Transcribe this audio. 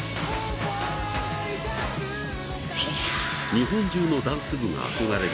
日本中のダンス部が憧れる